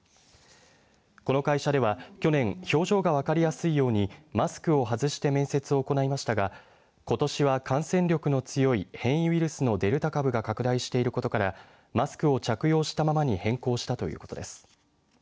この会社では去年表情が分かりやすいようにマスクを外して面接を行いましたがことしは感染力の強い変異ウイルスのデルタ株が拡大していることからマスクを着用したままに変更したということです。